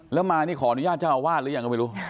แล้วมานี่ขออนุญาตเจ้าอาวาสหรือยังก็ไม่รู้